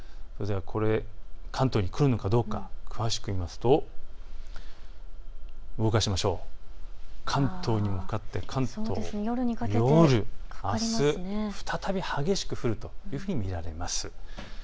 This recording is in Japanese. これ、関東に来るかどうか詳しく見ますと、動かしましょう、関東に向かって夜、あす再び激しく降るというふうに見られます。